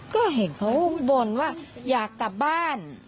ก็เห็นเขาบ่นว่าอยากกลับบ้าน